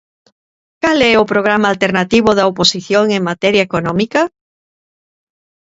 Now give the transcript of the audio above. ¿Cal é o programa alternativo da oposición en materia económica?